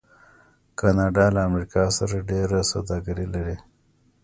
کاناډا له امریکا سره ډیره سوداګري لري.